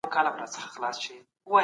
تاسو باید د پښتنو له ستونزو ځان خبر کړئ.